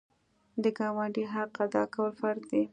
د ګاونډي حق ادا کول فرض دي.